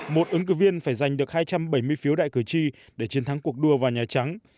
một ứng cử viên phải giành được hai trăm bảy mươi phiếu đại cử tri để chiến thắng cuộc đua vào nhà trắng